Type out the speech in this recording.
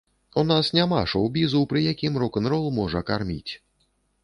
У нас няма шоў-бізу, пры якім рок-н-рол можа карміць.